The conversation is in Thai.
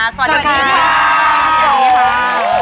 สวัสดีค่ะ